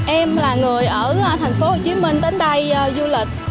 em là người ở thành phố hồ chí minh đến đây du lịch